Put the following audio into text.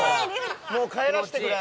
もう帰らせてくれ。